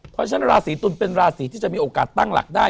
เพราะฉะนั้นราศีตุลเป็นราศีที่จะมีโอกาสตั้งหลักได้